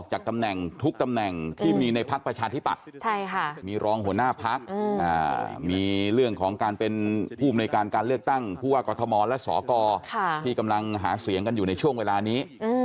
หัวหน้าภักดิ์มีเรื่องของการเป็นภูมิในการเลือกตั้งพวกกรทมและสกที่กำลังหาเสียงกันอยู่ในช่วงเวลานี้